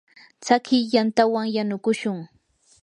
tsakiy yantawan yanukushun.